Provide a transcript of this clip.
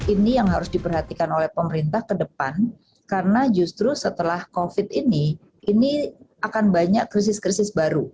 ini yang harus diperhatikan oleh pemerintah ke depan karena justru setelah covid ini ini akan banyak krisis krisis baru